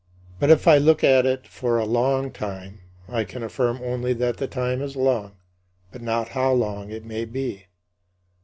But if I look at it for a long time, I can affirm only that the time is long but not how long it may be.